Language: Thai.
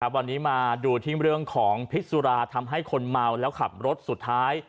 วันนี้มาดูที่เรื่องของพิษสุราทำให้คนเมาแล้วขับรถสุดท้าย